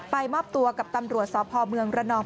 ไปมอบตัวกับตำรวจของทพละเมืองระนอง